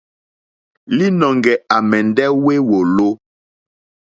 Līnɔ̄ŋgɛ̄ à mɛ̀ndɛ́ wé wòló.